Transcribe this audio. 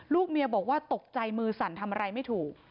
ลูกเมียบอกว่าตกใจมือสั่นทำอะไรไม่ถูก